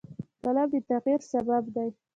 قلم د تغیر سبب دی